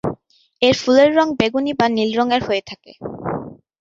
এর ফুলের রঙ বেগুনী বা নীল রঙের হয়ে থাকে।